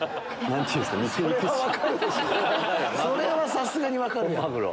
それはさすがに分かる。